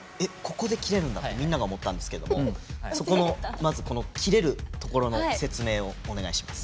今ってみんなが思ったんですけどもそこのまずこの切れるところの説明をお願いします。